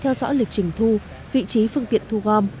theo dõi lịch trình thu vị trí phương tiện thu gom